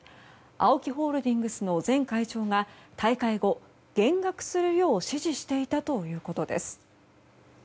ＡＯＫＩホールディングスの前会長が大会後、減額するよう指示していたということです。